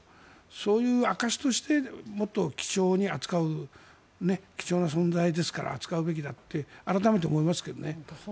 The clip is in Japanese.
そういう証しとしてもっと貴重に扱う貴重な存在ですから扱うべきであると改めて思いますけどね。